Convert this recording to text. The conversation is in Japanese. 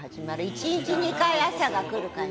１日２回朝が来る感じ。